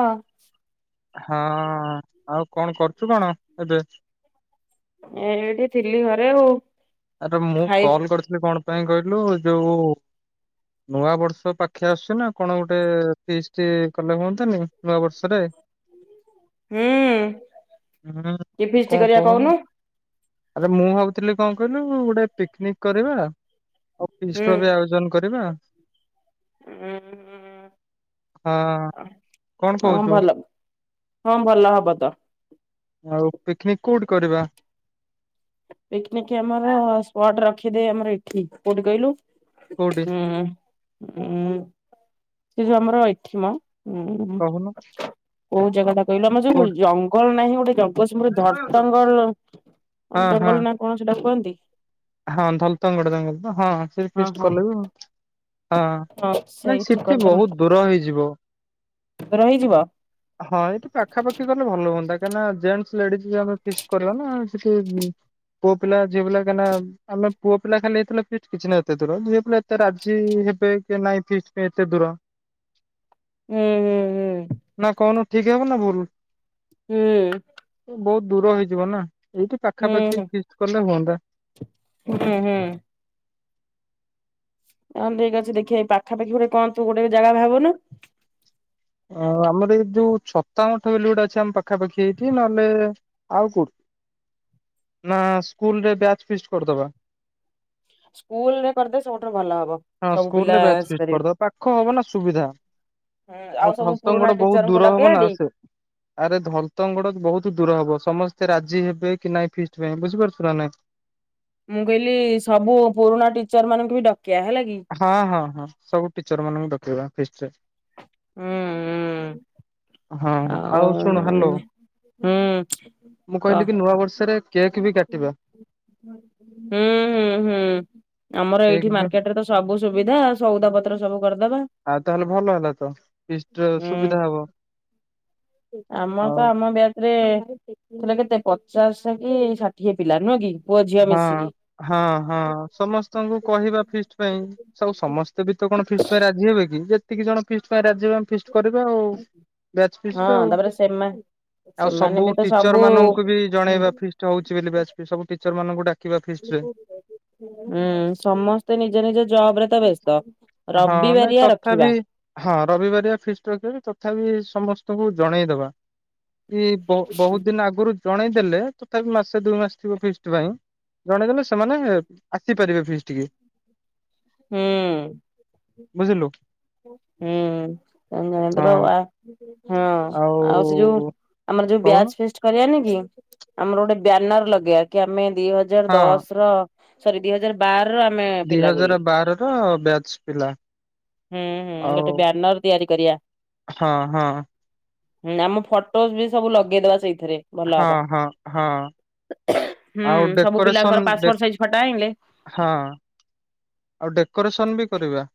ହଁ। ହଁ ଆଉ କଣ କରୁଚୁ କଣ ଏବେ? ଏ ଏଇଠି ଥିଲି ଘରେ ଆଉ। ଆରେ ମୁଁ ଖାଇ କଲ କରିଥିଲି କଣ ପାଇଁ କହିଲୁ ଯୋଉ ନୂଆ ବର୍ଷ ପାଖେ ଆସୁଛି ନା କଣ ଗୋଟେ ଫିଷ୍ଟ୍ କଲେ ହୁଅନ୍ତାନି ନୂଆ ବର୍ଷରେ? ହୁଁ ହୁଁ କି ହୁଁ ଫିଷ୍ଟି କଣ କରିବା କହୁନୁ? ଆରେ ମୁଁ ଭାବୁଥିଲି କଣ କହିଲୁ ଗୋଟେ ପିକନିକ୍ କରିବା। ଆଉ ପିଷ୍ଟ୍ ହୁଁ ର ବି ଆୟୋଜନ କରିବା। ହୁଁ ଉଁ। ହଁ କଣ ହଁ କହୁଛୁ? ଭଲ ହଁ ଭଲ ହବ ତ। ଆଉ ପିକ୍ନିକ୍ କୋଉଠି କରିବା? ପିକନିକ ଆମର ସ୍ପଟ ରଖିଦେ ଆମର ଏଠି କୋଉଟି କହିଲୁ କୋଉଠି ହୁଁ ଉଁ ସେ ଯୋଉ ଆମର ଏଠିମ ଉଁ ହୁ କହୁନୁ କୋଉ ଜାଗାଟା କହିଲ ଆମର ଯୋଉ କୋଉଠି? ଜଙ୍ଗଲ ନାହିଁ ଗୋଟେ ଜ [unintelligible] ଧରତଙ୍ଗଲ ହଁ ହଁ ଜଙ୍ଗଲ ନା କଣ ସେଇଟା କୁହନ୍ତି? ହଁ ଧଲ ତଙ୍ଗଡଙ୍ଗ ହଁ ସେଇ ଫିଷ୍ଟ କଲେ ବି ହଁ ହଁ ନାଇଁ ସେଇଠି ସେଠି ବୋହୁତ ଦୂର ହେଇଯିବ। ର ହେଇଯିବ। ହଁ ଏଠି ପାଖାପାଖି କଲେ ଭଲ ହୁଅନ୍ତା କାହିଁକିନା ଜେଣ୍ଟସ୍ ଲେଡିଜ୍ ଆମେ ଫିଷ୍ଟ କରିବା ନା ସେଠି ପୁଅ ପିଲା ଝିଅ ପିଲା କାଇଁନା ଆମେ ପୁଅ ପିଲା ଖାଲି ହେଇଥିଲା ଫିଷ୍ଟ କିଛି ନାହିଁ ଏତେ ଦୂର ଝିଅ ପିଲା ଏତେ ରାଜି ହେବେ କି ନାଇଁ ଫିଷ୍ଟ ପାଇଁ ଏତେ ଦୂର। ହୁଁ ନା କହୁନୁ ଠିକ୍ ହେବ ନା ଭୁଲ? ହୁଁ। ବହୁତ ଦୂର ହେଇଯିବ ନା ଏଇଠି ହୁଁ ପାଖାପାଖି ହୁଁ ଫିକ୍ସ୍ କଲେ ହୁଅନ୍ତା। ହୁଁ ହୁଁ। ହଁ ଠିକ ଅଛି ଦେଖିଆ ଏଇ ପାଖାପାଖି ଗୋଟେ କଣତୁ ଗୋଟେ ଜାଗା ବାହା କନୁ। ଆମର ଏଇ ଯୋଉ ଛତା ମଠ ବୋଲି ଅଛି ଆମ ପାଖାପାଖି ଏଇଠି ନହେଲେ ଆଉ କୋ ନା ସ୍କୁଲ୍ ରେ ବ୍ୟାଚ୍ ଫିଷ୍ଟ୍ କରିଦବା? ସ୍କୁଲ ରେ କରିଦେ ସବୁଠାରୁ ଭଲ ହବ। ହଁ ସବୁ ପିଲା ସ୍କୁଲରେ ବ୍ୟାଚ୍ ଫିସ୍ ଆସିପାରିବେ କରିଦବା ପାଖ ହବ ନା ସୁବିଧା। ହୁଁ ଆଉ ଆଉ ସବୁ ଧସଙ୍ଗ ପୁରୁଣା ଟା ବୋହୁ ଟିଚରଙ୍କୁ ଦୂର ଡକେଇବା ହବ ନା ଟି। ସେ ଆରେ ଧରତଙ୍ଗଡ଼ ବୋହୁତ ଦୂର ହବ ସମସ୍ତେ ରାଜି ହେବେ କି ନାଇଁ ଫିଷ୍ଟ ପାଇଁ ବୁଝିପାରୁଛୁ ନା ନାଇଁ? ମୁଁ କହିଲି ସବୁ ପୁରୁଣା ଟିଚର ମାନଙ୍କୁ ବି ଡ଼କିଆ ହେଲା କି? ହଁ ହଁ ହଁ ସବୁ ଟିଚର ମାନଙ୍କୁ ଡ଼କେଇବା ଫିଷ୍ଟ ରେ। ଉଁ ଉଁ। ହଁ ଆଉ ଶୁଣୁ ହ୍ୟାଲୋ। ହୁଁ ମୁଁ କ କହିଲି କି ନୂଆ ବର୍ଷରେ କେକ୍ ବି କାଟିବା। ହୁଁ ହୁଁ ହୁଁ ଆମର କେକ୍ ଏଇଠି ବି ମାର୍କେଟ ରେ ତ ସ ସବୁ ସୁବିଧା ସଉଦା ପତ୍ର ସବୁ କରିଦବା। ଆଉ ତାହେଲେ ଭଲ ହେଲାତ ଫିଷ୍ଟ୍ ରେ ହୁଁ ସୁବିଧା ହବ ଆମର ତ ଆଉ। ଆମ ବ୍ୟାଚ୍ ରେ ଥିଲେ କେତେ ପଚାଶେ କି ଷାଠିଏ ପିଲା ନୁହେଁ କି? ପୁଅ ଝିଅ ହଁ ମିଶିକି। ହଁ ହଁ ସମସ୍ତଙ୍କୁ କହିବା ଫିଷ୍ଟ୍ ପାଇଁ। ସ ସମସ୍ତେ ବି ତ କଣ ଫିଷ୍ଟ୍ ପାଇଁ ରାଜି ହେବେ କି ଯେତିକି ଜଣ ଫିଷ୍ଟ୍ ପାଇଁ ରାଜି ହେବେ ଆମେ ଫିସ୍ କରିବା ଆଉ ବ୍ୟାଚ୍ ହଁ ଫିଷ୍ଟ୍ ଆଉ। ତାପରେ ସେମା ଆଉ ସେମାନେ ସବୁ ବି ତ ସବୁ ଟିଚର ମାନଙ୍କୁ ବି ହୁଁ ଜଣେଇବା ଫିଷ୍ଟ ହଉଛି ବୋଲିବ୍ୟାଚ ଫିଷ୍ଟ ସବୁ ଟିଚର ମାନଙ୍କୁ ଡାକ ବ [inaudible] ହୁଁ ସମସ୍ତେ ନିଜ ନିଜ ଜବରେ ତ ବ୍ୟସ୍ତ ହଁ ନାଇଁ ରବିବାରିଆ ତଥାପି ରଖିବା। ହଁ ରବିବାରିଆ ଫିଷ୍ଟ ରଖିବା ବି ତଥାପି ସମସ୍ତଙ୍କୁ ଜଣେଇଦବା କି ବହୁତ ଦିନ ଆଗରୁ ଜଣେଇ ଦେଲେ ତଥାପି ମାସେ ଦୁଇ ମାସ ଥିବ ଫିସ ଷ୍ଟ ପାଇଁ ଜଣେଇ ଦେଲେ ସେମାନେ ଆସିପାରିବେ ଫିଷ୍ଟକି। ହଁ ବୁଝିଲୁ? ହୁଁ ତଣ ହଁ ତ ବାଉ ଆ [inaudible] ହଁ ଆଉ ସେ ଯୋଉ ଆମର ଯୋଉ କହୁନୁ ବ୍ୟାଚ ଫିଷ୍ଟ। କରିବାନି କି ଆମର ଗୋଟେ ବ୍ୟାନର ଲଗେଇବା କି ଆମେ ଦି ହଜାର ହଁ। ଦଶର ସରି ଦିଇ ହଜାର ବାର ର ଆମେ ପିଲା ବୋଲି। ହଁ ବ୍ୟାଚ ପିଲା। ହୁଁ ହଁ ଆଉ ଗୋଟେ ବ୍ୟାନର ତିଆରି କରିବା। ହଁ ହଁ। ହୁଁ ଆମ ଫଟୋ ବି ସବୁ ଲଗେଇଦବା ସେଇଥିରେ। ଭଲ ହଁ ହବ ହଁ ହଁ ହୁଁ ଆଉ ସବୁ ପିଲାଙ୍କର ଡେକୋରେସନ ପାସପୋଟ ସାଇଜ ଫଟ ଆଇଲେ ହଁ ଆଉ ଡେକୋରେସନ ବି କରିବା।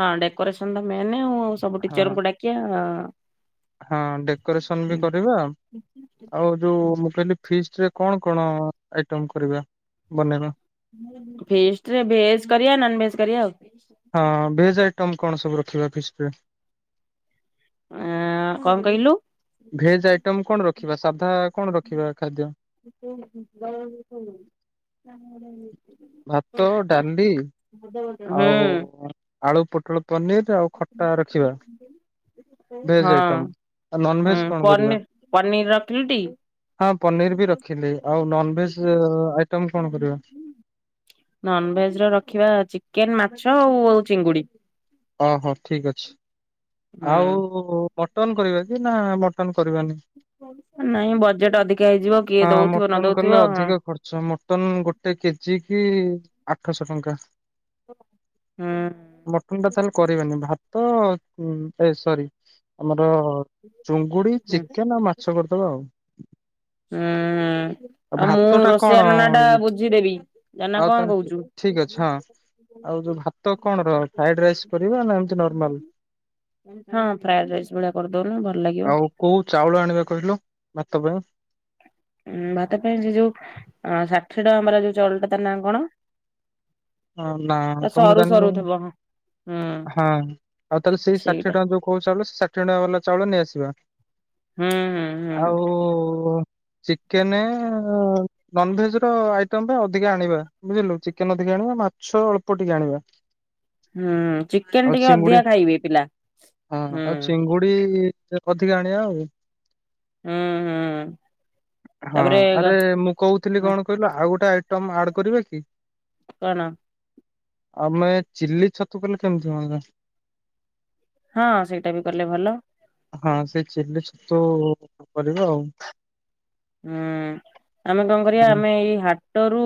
ହଁ ଡେକୋରେସନ ଟା ମେନ ଆଉ ସବୁ ହଁ ଟିଚରଙ୍କୁ ଡାକିବା। ହଁ ଡେକୋରେସନ ବି କରିବା। ଆଉ ଯୋଉ ମୁଁ କହିଲି ଫିଷ୍ଟରେ କଣ କଣ ଆଇଟମ କରିବା ବନେଇବା। ଫିଷ୍ଟ ରେ ଭେଜ କରିବା ନନ ଭେଜ କରିବା ଆଉ। ହଁ ଭେଜ ଆଇଟମ କଣ ସବୁ ରଖିବା ଫିଷ୍ଟରେ? ଆ କଣ କହିଲୁ? ଭେଜ ଆଇଟମ କଣ ରଖିବା ସାଧା କଣ ରଖିବା ଖାଦ୍ୟ। [inaudible] ଭାତ ଡାଲି ବ [inaudible] ଆଉ ଆଳୁ ପୋଟଳ ପନିର ଆଉ ଖଟା ରଖିବା ଭେଜ ଆଇଟମ୍। ହଁ ହୁଁ ପନିର ପନିର ରଖିଲୁଟି? ହଁ ପନିର ବି ରଖିଲି ଆଉ ନନଭେଜ ଆଇଟମ କଣ କରିବା? ନନଭେଜ ର ରଖିବା ଚିକେନ ମାଛ ଆଉ ଚିଙ୍ଗୁଡି। ଓହୋ ଠିକ ଅଛି ହୁଁ। ଆଉ ମଟନ କରିବା କି ନା ମଟନ କରିବାନି? ନାଇଁ ବଜେଟ ଅଧିକା ହେଇଯିବ କିଏ ଦଉଥିବ ନ ଦଉଥିବ ହଁ। ଶୋ ମଟନ ଗୋଟେ କେଜିକି ଆଠଶହ ଟଙ୍କା। ହୁଁ। ମଟନ ଟା ତାହେଲେ କରିବାନି ଭାତ ଏ ସରି ଆମର ଚୁଙ୍ଗୁଡି ଚିକେନ ଆଉ ହୁଁ। ମାଛ କରିଦବା ଆଉ। ହୁଁ ହୁଁ। ଆଉ ମୁଁ ଭାତ ଟା କଣ ରୋଷେଇଆ ନନାଟା ଇଏ ବୁଝିଦେବି ଜା ନାଁ ଆଉ କଣ ତାହେଲେ ଠିକ କହୁଚୁ? ଠିକ ଅଛି ହଁ ଆଉ ଯୋଉ ଭାତ କଣ ର ଫାଏ ହଁ ଫ୍ରାଏଡ ରାଇସ୍ ଭଳିଆ କରିଦଉନୁ ଭଲ ଲାଗିବ। ଆଉ କୋଉ ଚାଉଳ ଆଣିବା କହିଲୁ ଭାତ ପାଇଁ। ଉଁ ଭାତ ପାଇଁ ସେ ଯୋଉ ଷାଠିଏ ଟଙ୍କା ଵାଲା ଯୋଉ ଚାଉଳଟା ତା ନାଁ କଣ? ହଁ ନା ତମେ ସରୁ ଜାଣିନ ସରୁ ହଁ। ଥିବ ହୁଁ ଆଉ ତାହେଲେ ସେଇ ଷାଠିଏ ସେଇଟା ଟଙ୍କା ଯଉ କହୁଚ ଚାଉଳ ସେଇ ଷାଠିଏ ଟଙ୍କା ବାଲା ଚାଉଳ ନେଇଆସିବା। ହୁଁ ହୁଁ ହୁଁ। ଆଉ ଚିକେନେ ନନଭେଜ୍ ର ଆଇଟମ୍ ପାଇଁ ଅଧିକା ଆଣିବା। ବୁଝିଲୁ ଚିକେନ ଅଧିକା ଆଣିବା। ମାଛ ଅଳ୍ପ ଟିକେ ଆଣିବା। ହୁଁ ଚିକେନ୍ ଆଉ ଟିକେ ଚିଙ୍ଗୁଡି ଅଧିକା ଖାଇବେ ପିଲା। ହୁଁ। ପି ଅଧିକା ଆଣିବା ଆଉ। ହୁଁ ହୁଁ। ହଁ ତାପରେ ଆରେ ମୁଁ କହୁଥିଲି କଣ କହିଲୁ ଆଉ ଗୋଟେ ଆଇଟମ୍ ଆଡ କରିବା କି? କଣ? ଆମେ ଚିଲି ଛତୁ କଲେ କେମିତି ହୁଅନ୍ତା? ହଁ ସେଇଟା ବି କଲେ ଭଲ। ହଁ ସେଇ ଚିଲି ଛତୁ କରିବା ଆଉ। ଉଁ, ଆମେ କଣ କରିବା ହୁଁ, ଆମେ ଏଇ ହାଟ ରୁ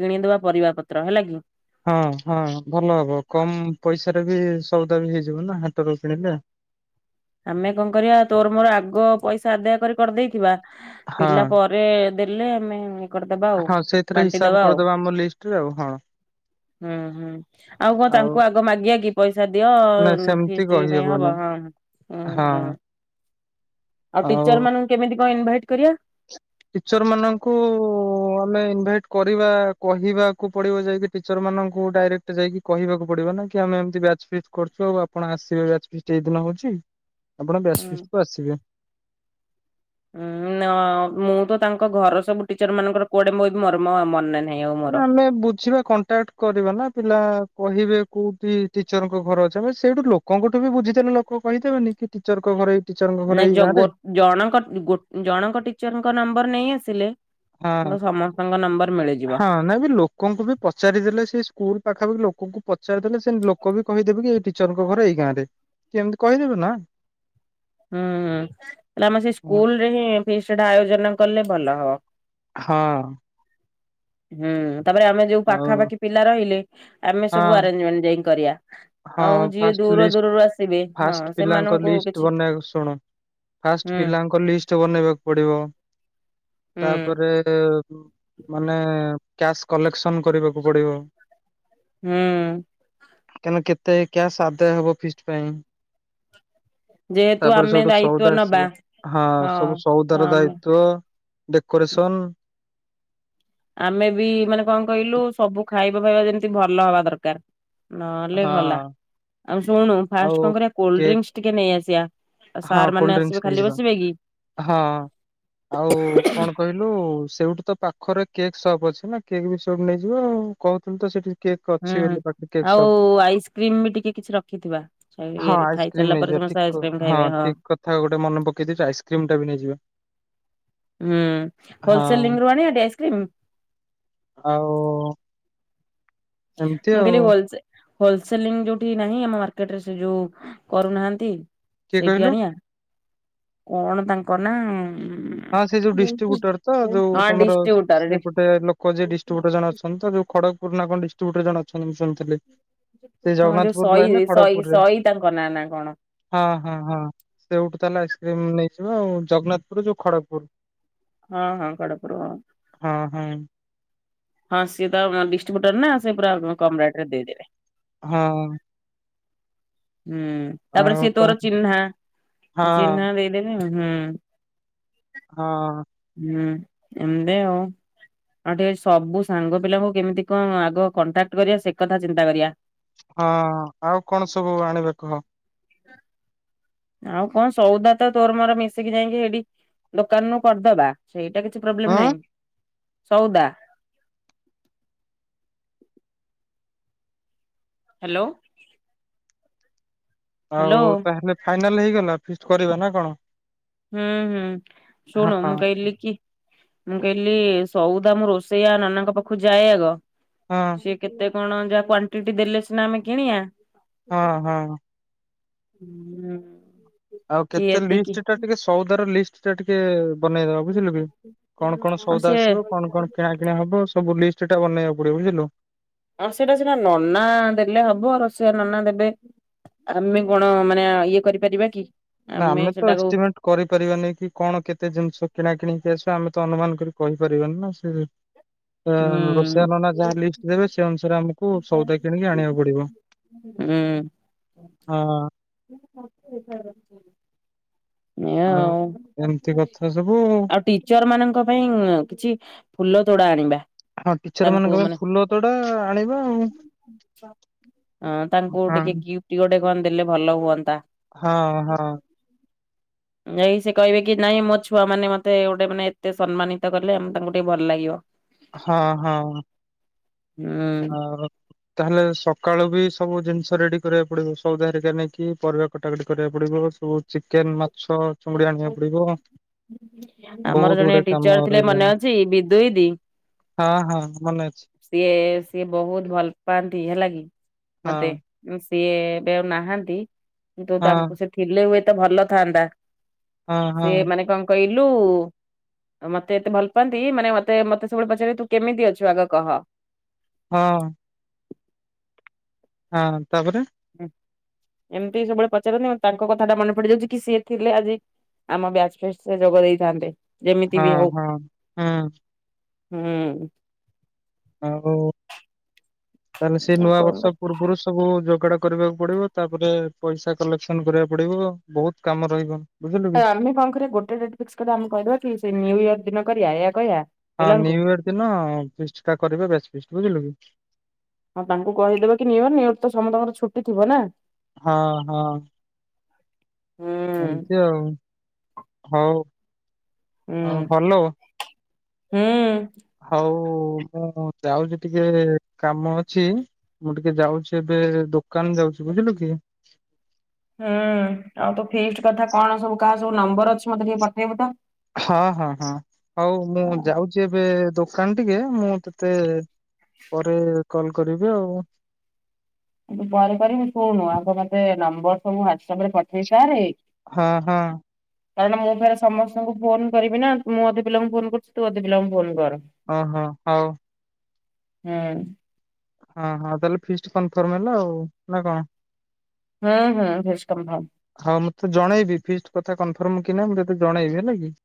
କିଣିଦବା ପରିବା ପତ୍ର ହେଲା କି। ହଁ ହଁ ଭଲ ହବ। କମ୍ ପଇସାରେ ବି ସଉଦା ବି ହେଇଯିବ ନା ହାଟରୁ କିଣିଲେ। ଆମେ କଣ କରିବା ତୋର ମୋର ଆଗ ପଇସା ଆଦାୟ କରି କରିଦେଇଥିବା। ହଁ ପିଲା ପରେ ଦେଲେ ଆମେ କରିଦବା ଆଉ ହଁ ସେଇଥିରେ ହିସାବ ବାଣ୍ଟିଦବା ଆଉ କରିଦବା ଆମ ଲିଷ୍ଟରେ ଆଉ ହଁ। ହୁଁ ହୁଁ। ଆଉ କଣ ତାଙ୍କୁ ଆ ଗ ମାଗିବା କି ପଇସା ଦିଅ ନା ସେମିତି ଫିଷ୍ଟ ପାଇଁ କହିହବନି ହବ ହଁ। ହୁଁ ହୁଁ ହଁ। ଆଉ ଟିଚର୍ ମାନଙ୍କୁ କେମିତି କଣ ଇନଭାଇଟ୍ କରିବା? ଟିଚର୍ ମାନଙ୍କୁ ଆମେ ଇନଭାଇଟ୍ କରିବା କହିବାକୁ ପଡିବ ଯାଇକି। ଟିଚର୍ ମାନଙ୍କୁ ଡାଇରେକ୍ଟ ଯାଇକି କହିବାକୁ ପଡିବ ନା କି ଆମେ ଏମିତି ବ୍ୟାଚ୍ ଫିଷ୍ଟ କରୁଚୁ ଆଉ ଆପଣ ଆସିବେ ବ୍ୟାଚ୍ ଫି ସେଇ ଦିନ ହଉଚି ଆପଣ ବ୍ୟାଚ୍ ଫିଷ୍ଟ କୁ ଆସିବେ। ଉଁ ନା। ମୁଁ ତ ତାଙ୍କ ଘର ସବୁ ଟିଚର୍ ମାନଙ୍କର କୁଆଡେ ମୁଁ ମୋର ମନେ ନା ନା ଆମେ ବୁଝିବା କଣ୍ଟାକ୍ଟ କରିବା ନା ପିଲା କହିବେ କୋଉଠି ଟିଚରଙ୍କ ଘର ଅଛି। ଆମେ ସେଇଠୁ ଲୋକଙ୍କଠୁ ବି ବୁଝିଦେଲେ ଲୋ ଲୋକ କହିଦେବନି କି ଟିଚରଙ୍କ ଘର ଏଇ ଟିଚରଙ୍କ ଘର ନାଇଁ ଏଇ ଜ ଗାଁ ଗୋ ରେ ଜଣଙ୍କ ଗୋ ଜଣଙ୍କ ଟିଚରଙ୍କ ନମ୍ବର ନେଇ ଆସିଲେ ସମସ୍ତଙ୍କ ନମ୍ବର ମିଳିଯିବ। ନା ବି ଲୋକଙ୍କୁ ବି ପଚାରିଦେଲେ ସେ ସ୍କୁଲ ପାଖାପାଖି ଲୋକଙ୍କୁ ପଚାରିଦେଲେ ସେ ଲୋକ ବି କହିଦେବେ କି ଏଇ ଟି ଟିଚରଙ୍କ ଘର ଏଇ ଗାଁରେ। କି ଏମିତି କହିଦେବେ ନା। ହୁଁ। ନା ଆମ ସେଇ ହଁ ସ୍କୁଲ ରେ ହିଁ ଫିଷ୍ଟ ଟା ଆୟୋଜନ କଲେ ଭଲ ହବ। ହଁ। ହୁଁ। ତାପରେ ଆମେ ଯୋଉ ଆଉ ପାଖାପାଖି ପିଲା ରହିଲେ ଆମେ ସବୁ ହଁ ଆରେଞ୍ଜମେଣ୍ଟ ଯାଇଁକି କରିବା। ଆଉ ହଁ ଯିଏ ଫାଷ୍ଟ ଦୂର ଲିଷ୍ଟ ଦୂରରୁ ଆସିବେ, ହଁ ଫାଷ୍ଟ ପିଲାଙ୍କ ସେମାନଙ୍କୁ ଲିଷ୍ଟ କିଛି ବନେଇବାକୁ ଶୁଣ ଫାଷ୍ଟ ହୁଁ ପିଲାଙ୍କ ଲିଷ୍ଟ ବନେଇବାକୁ ପଡିବ। ହୁଁ ତାପରେ ଏ ମାନେ କ୍ୟାସ୍ କଲେକ୍ସନ କରିବାକୁ ପଡିବ। ହୁଁ। କି ଆମେ କେତେ କ୍ୟାସ୍ ଆଦାୟ ହବ ଫିଷ୍ଟ ପାଇଁ। ଯେହେତୁ ତାପରେ ଆମେ ସେଇଠୁ ଦାୟିତ୍ଵ ସଉଦା ନବା ଆସିବ। ହଁ ସବୁ ତ ସଉଦା ର ଆମ ଦାୟିତ୍ୱ ଡେକୋରେସନ୍ ଆମେ ବି ମାନେ କଣ କହିଲୁ ସବୁ ଖାଇବା ଫାଇବା ଯେମିତି ଭଲ ହବା ଦରକାର। ନହେଲେ ହଁ ଗଲା। ଆମେ ଶୁଣୁ ଫାଷ୍ଟ ଆଉ କଣ କରିବା କୋଲ୍ଡ କେକ୍ ଡ୍ରିଙ୍କସ୍ ଟିକେ ନେଇଆସିବା। ହଁ କୋଲଡଡ୍ରିଙ୍କସ୍ ନେଇଯିବା ହଁ ଆଉ କଣ କହିଲୁ ସେଇଠୁ ତ ପାଖରେ କେକ୍ ସପ୍ ଅଛି ନା କେକ୍ ବି ସେଇଠୁ ନେଇଯିବା ଆଉ କହୁଥିଲୁ ତ ସେଠି କେକ୍ ହୁଁ ଅଛି ବୋଲି ପାଖରେ କେକ୍ ଆଉ ସପ୍ ଆଇସ୍କ୍ରିମ ବି ଟିକେ କିଛି ରଖିଥିବା ହଁ ଇଏରେ ଖାଇ ଆଇସ୍କ୍ରିମ୍ ଚାଲିଲା ପରେ ନେଇଯିବା ଠିକ ସମସ୍ତେ କ- ଆଇସିକ୍ରିମ। ହଁ ଠିକ କଥା ଗୋଟେ ମନେ ପକେଇ ଦେଇଛୁ ଆଇସ୍କ୍ରିମ ଟା ବି ନେଇଯିବା। ହୁଁ ହୋଲସେଲ ହଁ ଲିଙ୍କ ରୁ ଆଣିବା ଟି ଆଇସ୍କ୍ରିମ୍। ଆଉ ଏମିତି ମୁଁ ଆଉ କହିଲି ଭଲସେ ହୋଲସେଲ ଲିଙ୍କ ଯୋଉଠି ନାହିଁ ଆମ ମାର୍କେଟ ରେ ସେ ଯୋଉ କରୁନାହାନ୍ତି। କିଏ ସେଇଠି କହିଲୁ ଆଣିବା କଣ ତାଙ୍କ ନା ହଁ ସେ ଯୋଉ ଡିଷ୍ଟ୍ରିବ୍ୟୁଟର ତ ଯୋଉ ତମର ଡିଷ୍ଟ୍ରିବ୍ୟୁଟର ସେଇପଟେ ଲୋକ ଯିଏ ଡିଷ୍ଟ୍ରିବ୍ୟୁଟର ଜଣେ ଅଛନ୍ତି ତ ଯୋଉ ଖଡକପୁର ନା କଣ ଡିଷ୍ଟ୍ରିବ୍ୟୁଟର ଜଣ ଅଛନ୍ତି ମୁଁ ଶୁଣିଥିଲି। ସେଇ ହଁ ଯୋଉ ଜଗନ୍ନାଥପୁର ଲାଇନ୍ ନା ସଇ ସଇ ଖଡଗପୁରରେ ସଇ ତାଙ୍କ ନାଁ ନା କଣ। ହଁ ହଁ ହଁ ସେଇଠୁ ତାହେଲେ ଆଇସ୍କ୍ରିମ ନେଇଯିବ ଆଉ। ଜଗନ୍ନାଥପୁର ଯୋଉ ଖଡଗପୁର ହଁ ହଁ ଗଡପଡ଼ ହୁ ହଁ ହଁ। ହଁ ସିଏ ତ ଆ ଡିଷ୍ଟ୍ରିବ୍ୟୁଟର ନା ସେ ପୁରା କମ୍ ରେଟରେ ଦେଇଦେବେ। ହଁ। ହୁଁ ତାପରେ ଆଉ ସେ ତୋର ତାହେଲେ ଚିହ୍ନା। ହଁ ଚିହ୍ନା ବି [unintelligible] ହୁଁ। ହଁ। ହୁଁ ଏମ ଦେ ଆଉ। ହଁ ଟିକେ ସବୁ ସାଙ୍ଗ ପିଲାଙ୍କୁ କେମିତି କଣ ଆଗ କଣ୍ଟାକ୍ଟ କରିବା ସେ କଥା ଚିନ୍ତା କରିବା। ହଁ ଆଉ କଣ ସବୁ ଆଣିବା କହ। [unintelligible] ଆଉ କଣ ସଉଦା ତ ତୋର ମୋର ମିଶିକି ଯାଇଁକି ହେଡି ଦୋକାନରୁ କରିଦବା। ସେଇଟା କିଛି ପ୍ରୋବ୍ଲେମ ହଁ ନାହିଁ ସଉଦା ହ୍ୟାଲୋ। ହ୍ୟାଲୋ ଆଉ ତାହେଲେ ଫାଇନାଲ ହେଇଗଲା ଫିଷ୍ଟ୍ କରିବା ନା କଣ? ହୁଁ ହୁଁ ହଁ ଶୁଣ ମୁଁ ହଁ କହିଲି କି ମୁଁ କହିଲି ସଉଦା ମୁଁ ରୋଷେଇଆ ନନାଙ୍କ ପାଖକୁ ଯାଏ ଆଗ ହଁ। ସେ କେତେ କଣ ଯାହା କ୍ଵାଣ୍ଟଟି ଦେଲେ ସିନା ଆମେ କିଣିଆ ହଁ ହଁ ହୁଁ ଆଉ କି କେତେ ଏତିକି ଲିଷ୍ଟ ଟା ଟିକେ ସଉଦାର ଲିଷ୍ଟ ଟା ଟିକେ ବନେଇଦବା ବୁଝିଲୁ କି? କଣ କଣ ଆଉ ସଉଦା ସେ ଆସିବ କଣ କଣ? କିଣା କିିଣି ହବ ସବୁ ଲିଷ୍ଟ ଟା ବନେଇବାକୁ ପଡ଼ିବ ବୁଝିଲୁ। ଆ ସେଇଟା ସିନା ନନା ଦେଲେ ହବ। ରସିଆ ନନା ଦେବେ ଆମେ କଣ ମାନେ ଇଏ କରିପାରିବା କି? ନା ଆମେ ତ ଏଷ୍ଟିମେଟ କରିପାରିବାନି କି କଣ କେତେ ଜିନିଷ କିଣା କିଣି ଜିନିଷ ଆମେ ତ ଅନୁମାନ କରି କହିପାରିବିନି ନାଁ ସେ ତ ରୋଷେଇଆ ହୁଁ। ନନା ଯାହା ଲିଷ୍ଟ୍ ଦେବେ ସେ ଅନୁସାରେ ଆମକୁ ସଉଦା କିଣିକି ଆଣିଆକୁ ପଡ଼ିବ। ହୁଁ। ହଁ। [unintelligible] ନେଆ ଆଉ ଏମିତି କଥା ସବୁ ଆଉ ଟିଚର ମାନଙ୍କ ପାଇଁ କିଛି ଫୁଲ ତୋଡ଼ା ଆଣିବା। ହଁ ଟିଚର ତାଙ୍କୁ ମାନଙ୍କ ପାଇଁ ମାନେ ଫୁଲ ତୋଡ଼ା ଆଣିବା ଆଉ। ହଁ ତାଙ୍କୁ ଆଉ ଟିକେ ଗିଫ୍ଟ ଗୋଟେ କଣ ଦେଲେ ଭଲ ହୁଅନ୍ତା? ହଁ ହଁ। ଯାଇ ସେ କହିବେ କି ନାଇଁ ମୋ ଛୁଆ ମାନେ ମତେ ଗୋଟେ ଏତେ ସମ୍ମାନିତ କଲେ ଆମେ ତାଙ୍କୁ ଟିକେ ଭଲ ଲାଗିବ। ହଁ ହଁ ହଁ। ହୁଁ ଆଉ ତାହେଲେ ସକାଳୁ ବି ସବୁ ଜିନିଷ ରେଡ଼ି କରିବାକୁ ପଡ଼ିବ। ସଉଦା ହେରିକା ନେଇକି ପରିବା କଟା କଟି କରିବାକୁ ପଡ଼ିବ ସବୁ ଚିକେନ ମାଛ ଚୁଙ୍ଗୁଡି ଆଣିବାକୁ ପଡ଼ିବ ଆମର ଜଣେ ଟିଚର ଥିଲେ ମନେ ଅଛି ବିଦୁଇ ଦି? ହଁ ହଁ ମନେ ଅଛି। ସିଏ ସିଏ ବହୁତ ଭଲ ପାଆନ୍ତି ହେଲା କିି ହଁ ମତେ। ସିଏ ଏବେ ଆଉ ନାହାନ୍ତି। କିନ୍ତୁ ହଁ ତାଙ୍କୁ ସେ ଥିଲେ ହୁଏ ତ ଭଲ ଥାନ୍ତା ହଁ ହଁ ସିଏ ମାନେ କଂ? କଇଲୁ ମତେ ଏତେ ଭଲ ପାଆନ୍ତି ମାନେ ମତେ ମତେ ସବୁବେଳେ ପଚାରିବେ ତୁ କେମିତି ଅଛୁ ଆଗ କହ। ହଁ। ହଁ ତାପରେ। ହଁ ଏମିତି ସବୁବେଳେ ପଚାରନ୍ତି ତାଙ୍କ କଥା ଟା ମନେ ପଡିଯାଉଛି କି ସିଏ ଥିଲେ ଆଜି। ଆମ ବ୍ୟାଚ ଫିଷ୍ଟ ସେ ଯୋଗ ଦେଇଥାନ୍ତେ। ଯେମିତି ହଁ ବି ହଉ ହଁ ହୁଁ ହୁଁ। ଆଉ ତାହେଲେ ସେ ଆଉ ନୂଆ କଣ ବର୍ଷ ପୂର୍ବରୁ। ସବୁ ଯୋଗାଡ କରିବାକୁ ପଡିବ ତାପରେ ପଇସା କଲେକ୍ସନ କରିବାକୁ ପଡିବ ବହୁତ କାମ ରହିବ। ବୁଝିଲୁ ତ କି ଆମେ କଣ କରିବା ଗୋଟେ ଡେଟ୍ ଫିକ୍ସ କରିଦବା ଆମେ କହିଦବା କି ସେ ନିୟୁ ଇୟର ଦିନ କରିବା ଏହା କହିବା। ହଁ ପିଲାଙ୍କୁ ନିୟୁ ଇୟର ଦିନ ଫିଷ୍ଟ ଟା କରିବା ବ୍ୟାଚ ଫିଷ୍ଟ ବୁଝିଲୁ କି। ହଁ ତାଙ୍କୁ କହିଦେବା କି ନିଅର ନିଅର ତ ସମସ୍ତଙ୍କର ଛୁଟି ଥିବ ନା। ହଁ ହଁ। ଆ ଏମିତି ଆଉ ହଉ। ଉଁ ଆଉ ଭଲ ହୁଁ। ହଉ ମୁଁ ଯାଉଚି ଟିକେ କାମ ଅଛି। ମୁଁ ଟିକେ ଯାଉଛି ଏବେ ଦୋକାନ ଯାଉଛି ବୁଝିଲୁ କି। ହୁଁ ଆଉ ତ ଫିଷ୍ଟ କଥା କଣ ସବୁ କାହା ସବୁ ନମ୍ବର ଅଛି ମତେ ଟିକେ ପଠେଇବୁ ତ। ହଁ ହଁ ହଁ ହଉ ମୁଁ ଯାଉଛି ଏବେ ଦୋକାନ ଟିକେ ମୁଁ ତତେ ପରେ କଲ କରିବି ଆଉ। ତୁ ପରେ କରିବୁ ଶୁଣୁ ଆଗ ମତେ ନମ୍ବର ସବୁ ହ୍ୱାଟସଆପ ରେ ପଠେଇ ସାରେ ହଁ ହଁ। କାରଣ ମୁଁ ଫେରେ ସମସ୍ତଙ୍କୁ ଫୋନ କରିବି ନା ମୁଁ ଅଧେ ପିଲାଙ୍କୁ ଫୋନ କରୁଛି ତୁ ଅଧେ ପିଲାଙ୍କୁ ଫୋନ କର। ଓହୋ ହଉ। ହଁ। ହଁ ହଁ ତାହେଲେ ଫିଷ୍ଟ କନଫର୍ମ ହେଲା ଆଉ ନା କଣ। ହୁଁ ହୁଁ [unintelligible] ହଁ ମୁଁ ତତେ ଜଣେଇବି ଫିଷ୍ଟ କଥା କନଫର୍ମ କି ନାଇ ମୁଁ ତତେ ଜଣେଇବି ହେଲା କି।